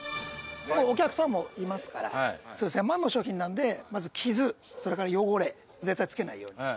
お客さんもいますから、数千万の商品なんで、まず傷、それから汚れ、絶対つけないように。